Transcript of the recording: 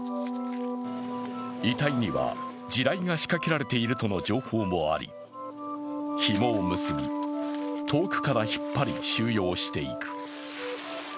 遺体には地雷が仕掛けられているとの情報もあり、ひもを結び、遠くから引っ張り収容していく。